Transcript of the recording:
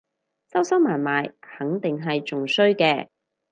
收收埋埋肯定係仲衰嘅